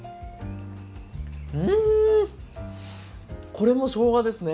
これもしょうがですね。